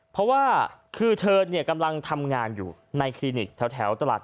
เพราะว่าคือเธอเนี่ยกำลังทำงานอยู่ในคลินิกแถวตลาด